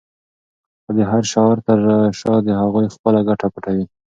خو د هر شعار تر شا د هغوی خپله ګټه پټه وي.